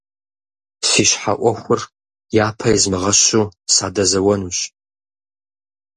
Си щхьэ Ӏуэхур япэ измыгъэщу, садэзэуэнущ.